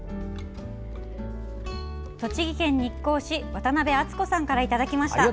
栃木県日光市渡邊厚子さんからいただきました。